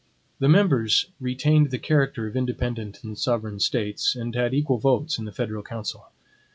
The members retained the character of independent and sovereign states, and had equal votes in the federal council.